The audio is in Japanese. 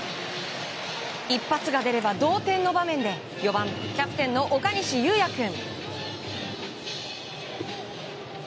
一発が出れば同点の場面で４番、キャプテンの岡西佑弥君。